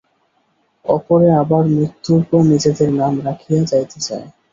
অপরে আবার মৃত্যুর পর নিজেদের নাম রাখিয়া যাইতে চায়।